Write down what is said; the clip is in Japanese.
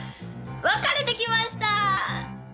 別れてきました！